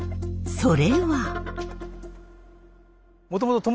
それは。